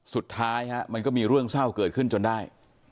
สุดท้ายมันก็มีเรื่องเศร้าเกิดขึ้นจนได้